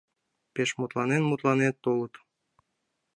Пеш мутланен-мутланен толыт.